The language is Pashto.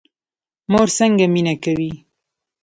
مور څنګه مینه کوي؟